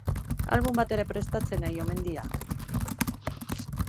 Album bat ere prestatzen ari omen dira.